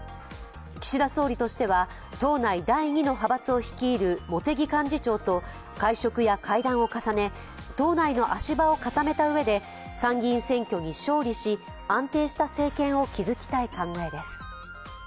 岸田総理としては、党内第２の派閥を率いる茂木幹事長と会食や会談を重ね、党内の足場を固めたうえで参議院選挙に勝利し、安定した政権を築きたい考えです。